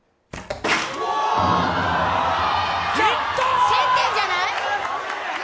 １０００点じゃない？